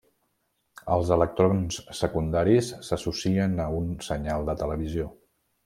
Els electrons secundaris s'associen a un senyal de televisió.